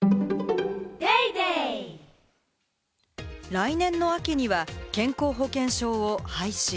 来年の秋には健康保険証を廃止。